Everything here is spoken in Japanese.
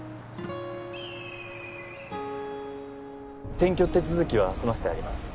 転居手続きは済ませてあります